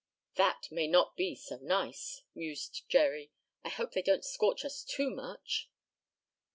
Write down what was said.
"That may not be so nice," mused Jerry. "I hope they don't scorch us too much."